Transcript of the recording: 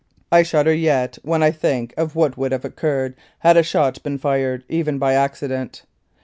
I shudder yet when I think of what would have occurred had a shot been fired even by accident.